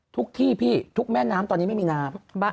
ที่พี่ทุกแม่น้ำตอนนี้ไม่มีน้ำ